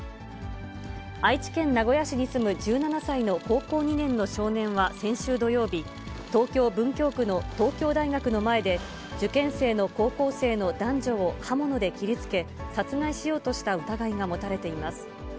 愛知県名古屋市に住む１７歳の高校２年の少年は、先週土曜日、東京・文京区の東京大学の前で、受験生の高校生の男女を刃物で切りつけ、殺害しようとした疑いが持たれています。